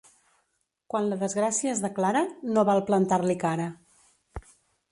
Quan la desgràcia es declara, no val plantar-li cara.